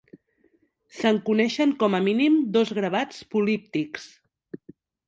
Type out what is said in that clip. Se'n coneixen com a mínim dos gravats políptics.